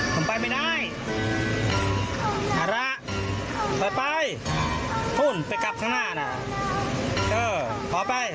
ผมไปไม่ได้ภาระเปิดไปหุ้นไปกลับข้างหน้าน่ะเออขอไป